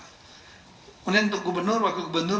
kemudian untuk gubernur wakil gubernur